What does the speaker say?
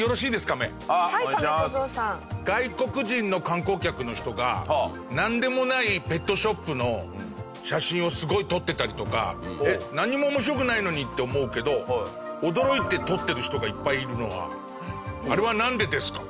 カメ小僧：外国人の観光客の人がなんでもないペットショップの写真をすごい撮ってたりとかなんにも面白くないのにって思うけど驚いて撮ってる人がいっぱいいるのはあれは、なんでですか？